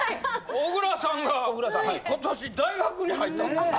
小倉さんが今年大学に入ったんですね。